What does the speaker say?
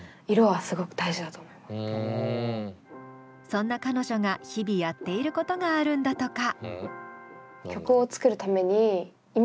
そんな彼女が日々やっていることがあるんだとか。